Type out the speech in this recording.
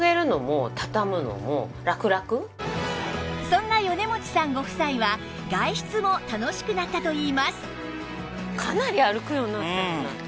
そんな米持さんご夫妻は外出も楽しくなったといいます